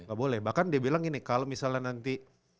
nggak boleh bahkan dia bilang gini kalau misalnya nanti